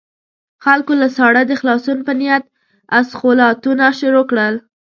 خلکو له ساړه د خلاصون په نيت اسخولاتونه شروع کړل.